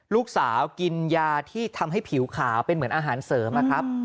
ลูกสาวกินยาที่ทำให้ผิวขาวเป็นเหมือนอาหารเสริมนะครับ